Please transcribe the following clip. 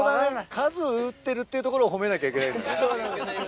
数打ってるっていうところを褒めなきゃいけないんだね。